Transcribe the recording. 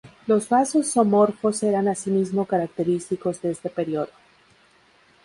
Los vasos zoomorfos eran asimismo característicos de este periodo.